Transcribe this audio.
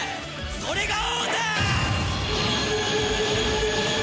それが王だ！